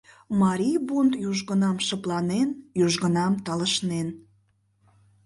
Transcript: Марий бунт южгунам шыпланен, южгунам талышнен.